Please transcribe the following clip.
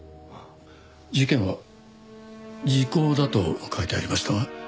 事件は時効だと書いてありましたが？